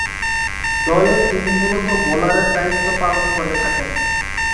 দলে তিনি মূলতঃ বোলারের দায়িত্ব পালন করে থাকেন।